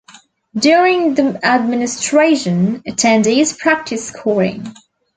During the administration attendees practice scoring.